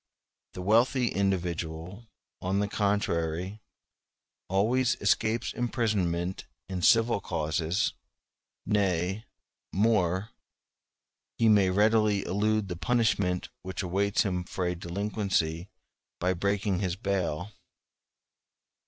The wealthy individual, on the contrary, always escapes imprisonment in civil causes; nay, more, he may readily elude the punishment which awaits him for a delinquency by breaking his bail.